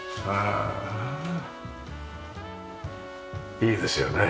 いいですよね。